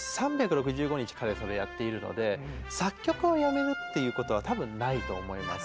３６５日彼はそれをやっているので作曲をやめるっていうことは多分ないと思います。